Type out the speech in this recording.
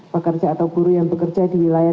pekerja atau buruh yang bekerja di wilayah